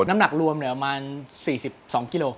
น้ำหนักรวมประมาณ๔๒กิโล